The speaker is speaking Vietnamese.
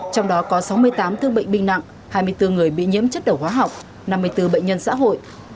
trong đó có sáu mươi tám thương bệnh binh nặng hai mươi bốn người bị nhiễm chất đầu hóa học năm mươi bốn bệnh nhân xã hội